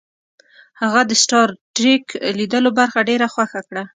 هغه د سټار ټریک لیدلو برخه ډیره خوښه کړه